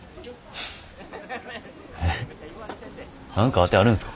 えっ何か当てあるんですか？